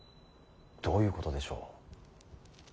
どういうことでしょう。